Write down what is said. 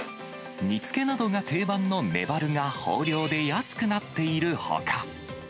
煮つけなどが定番のメバルが豊漁で安くなっているほか。